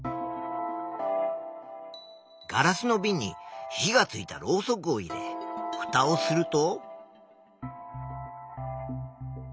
ガラスのびんに火がついたろうそくを入れふたをすると。